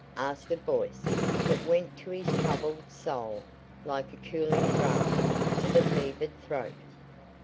asked a voice that went to his troubled soul like a cooling draught to the fevered throat.